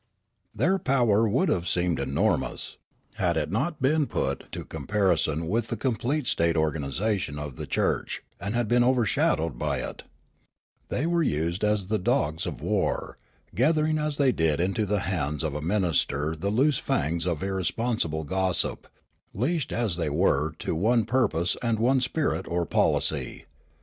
Their power would have seemed enormous, had it not been put into comparison with the complete state The Church and JournaHsm 97 organisation of the church and been overshadowed by it. They were used as the dogs of war, gathering as they did into the hands of a minister the loose fangs of irresponsible gossip, leashed as they were to one pur pose and one spirit or polic}'.